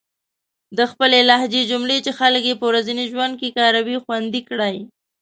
د خپلې لهجې جملې چې خلک يې په ورځني ژوند کې کاروي، خوندي کړئ.